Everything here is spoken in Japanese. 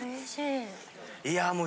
・いやもう。